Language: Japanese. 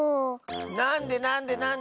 なんでなんでなんで！